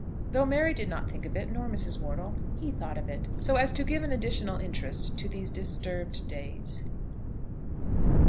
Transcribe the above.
Though Mary did not think of it, nor Mrs. Wortle, he thought of it, so as to give an additional interest to these disturbed days.